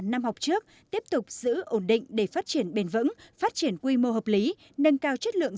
năm học trước tiếp tục giữ ổn định để phát triển bền vững phát triển quy mô hợp lý nâng cao chất lượng